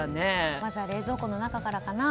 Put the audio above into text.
まずは冷蔵庫の中からかな。